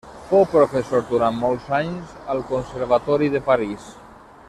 Fou professor durant molts anys al Conservatori de París.